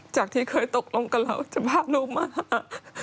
จากที่เคยตกลงกับเราจะพาลูกมา